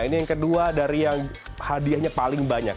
ini yang kedua dari yang hadiahnya paling banyak